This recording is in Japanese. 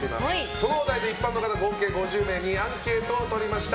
そのお題で一般の方合計５０名にアンケートを取りました。